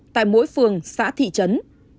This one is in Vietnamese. tại mỗi phương xã thị trấn